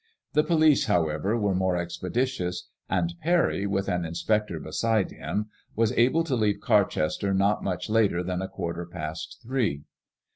The police, however, were more expeditious, and Parry, with an inspector beside him, was able to leave Carchester not much later than a quarter past three.